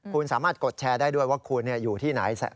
คุณสามารถกดแชร์ได้ด้วยว่าคุณอยู่ที่ไหน